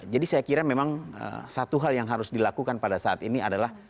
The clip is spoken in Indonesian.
jadi saya kira memang satu hal yang harus dilakukan pada saat ini adalah